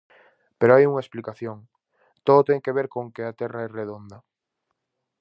Pero hai unha explicación, todo ten que ver con que a Terra é redonda.